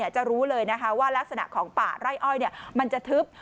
จะรู้เลยว่ารักษณะของป่าไร่อ้อยมันจะทึบ